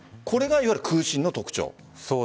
これがいわゆる空振の特徴。